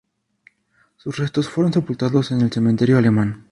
Sus restos fueron sepultados en el Cementerio Alemán.